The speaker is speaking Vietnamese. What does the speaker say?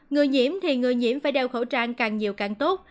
người nhiễm thì người nhiễm phải đeo khẩu trang càng nhiều càng tốt